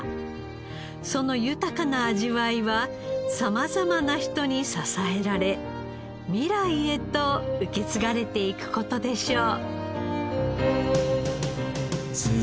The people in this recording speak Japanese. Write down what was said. その豊かな味わいは様々な人に支えられ未来へと受け継がれていく事でしょう。